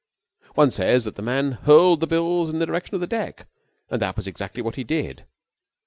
One says that the man hurled the bills in the direction of the deck, and that was exactly what he did.